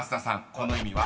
この意味は？］